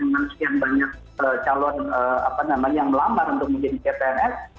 dengan sekian banyak calon yang melamar untuk menjadi cpns